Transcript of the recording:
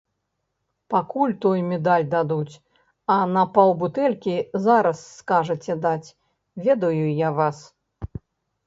Пакуль той медаль дадуць, а на паўбутэлькі зараз скажаце даць, ведаю я вас.